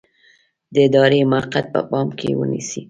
د ادارې موقف باید په پام کې ونیسئ.